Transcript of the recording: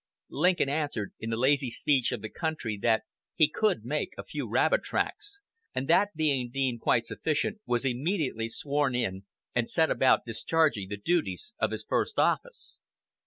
Lincoln answered, in the lazy speech of the country, that he "could make a few rabbit tracks," and that being deemed quite sufficient, was immediately sworn in, and set about discharging the duties of his first office.